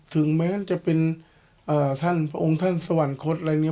ถึงแม้จะเป็นท่านพระองค์ท่านสวรรคตอะไรเนี่ย